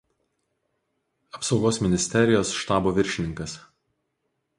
Apsaugos ministerijos štabo viršininkas.